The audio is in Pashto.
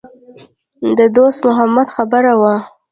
د دوست محمد خبره وه.